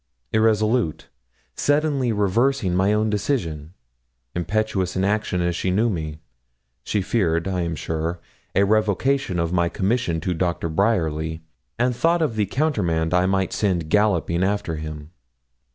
Irresolute, suddenly reversing my own decisions, impetuous in action as she knew me, she feared, I am sure, a revocation of my commission to Doctor Bryerly, and thought of the countermand I might send galloping after him.